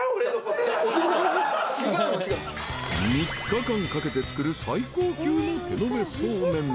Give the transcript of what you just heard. ［３日間かけて作る最高級の手延べそうめん］